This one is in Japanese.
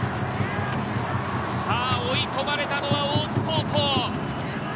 追い込まれたのは大津高校！